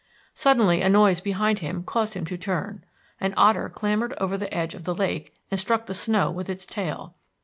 Suddenly a noise behind him caused him to turn. An otter clambered over the edge of the lake and struck the snow with its tail.